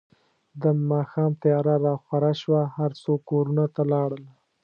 د ماښام تیاره راخوره شوه، هر څوک کورونو ته لاړل.